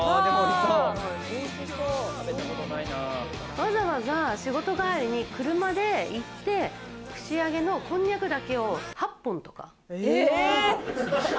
わざわざ仕事帰りに車で行って、串揚げのこんにゃくだけを８本とか。